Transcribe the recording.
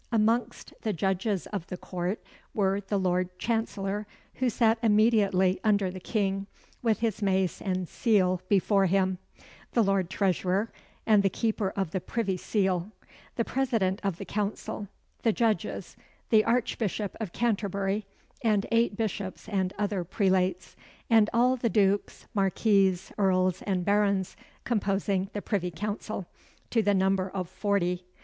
Amongst the Judges of the Court were the Lord Chancellor, who sat immediately under the King, with his mace and seal before him; the Lord Treasurer and the Keeper of the Privy Seal; the President of the Council; the Judges; the Archbishop of Canterbury, and eight bishops and other prelates; and all the dukes, marquises, earls, and barons composing the Privy Council, to the number of forty.